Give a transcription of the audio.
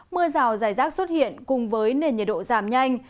mưa rào dài rác xuất hiện cùng với nền nhiệt độ giảm nhanh